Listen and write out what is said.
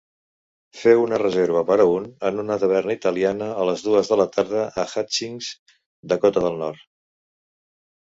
Feu una reserva per a un en una taverna italiana a les dues de la tarda a Hutchings, Dakota del Nord.